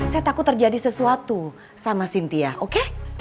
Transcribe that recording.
saya takut terjadi sesuatu sama sintia oke